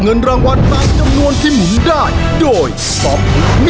ครอบครัวของแม่ปุ้ยจังหวัดสะแก้วนะครับ